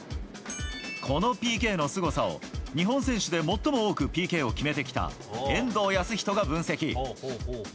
このＰＫのすごさを、日本選手で最も多くＰＫを決めてきた、遠藤保仁が分析。